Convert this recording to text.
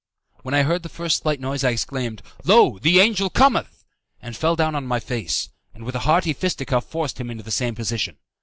When I heard the first slight noise I examined, "Lo! the angel cometh!" and fell down on my face, and with a hearty fisticuff forced him into the same position.